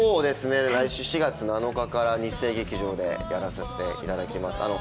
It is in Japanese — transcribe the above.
来週４月７日から日生劇場でやらせていただきます。